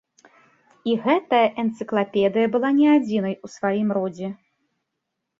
І гэтая энцыклапедыя была не адзінай у сваім родзе.